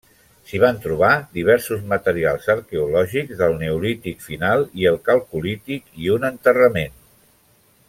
S'hi van trobar diversos materials arqueològics del Neolític Final i el Calcolític, i un enterrament.